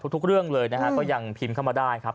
ทุกเรื่องเลยนะฮะก็ยังพิมพ์เข้ามาได้ครับ